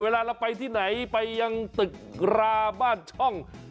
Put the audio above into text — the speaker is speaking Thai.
เวลาเราไปที่ไหนไปยังตึกราบ้านช่อง